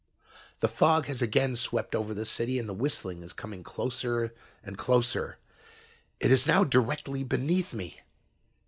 "The fog has again swept over the city and the whistling is coming closer and closer. "It is now directly beneath me.